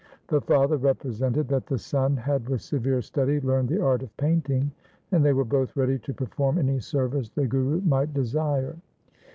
The father represented that the son had with severe study learned the art of painting, and they were both ready to perform any service the Guru might desire.